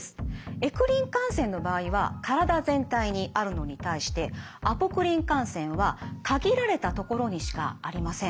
エクリン汗腺の場合は体全体にあるのに対してアポクリン汗腺は限られたところにしかありません。